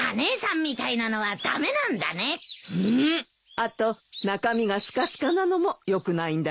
あと中身がすかすかなのもよくないんだよ。